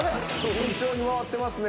順調に回ってますね。